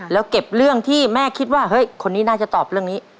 แล้วเก็บเรื่องที่แม่คิดว่าเฮ้ยคนนี้น่าจะตอบเรื่องนี้